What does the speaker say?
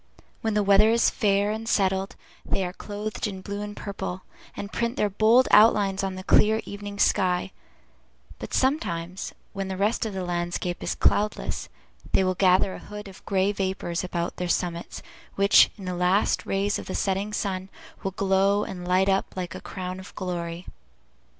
When the weather is fair and settled, they are clothed in blue and purple, and print their bold outlines on the clear evening sky; but sometimes, when the rest of the landscape is cloudless, they will gather a hood of gray vapors about their summits, which, in the last rays of the setting sun, will glow and light up like a crown of glory.